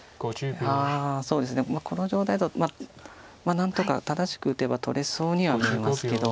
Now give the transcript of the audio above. ああこの状態だと何とか正しく打てば取れそうには見えますけど。